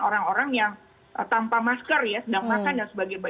orang orang yang tanpa masker ya sedang makan dan sebagainya